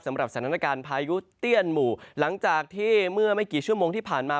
สำหรับสถานการณ์พายุเตี้ยนหมู่หลังจากที่เมื่อไม่กี่ชั่วโมงที่ผ่านมา